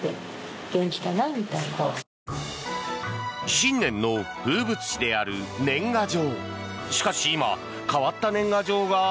新年の風物詩である年賀状。